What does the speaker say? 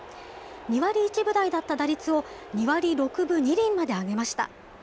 ２割１分台だった打率を２割６分２厘まで上げました。